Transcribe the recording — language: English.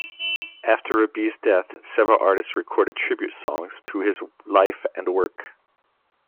After Rabie's death, several artists recorded tribute songs to his life and work.